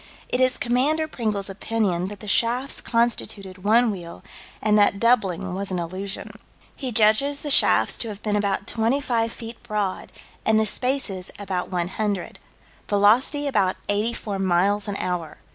It is Commander Pringle's opinion that the shafts constituted one wheel, and that doubling was an illusion. He judges the shafts to have been about 25 feet broad, and the spaces about 100. Velocity about 84 miles an hour.